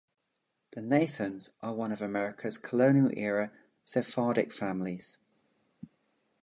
The Nathans are one of America's colonial-era Sephardic families.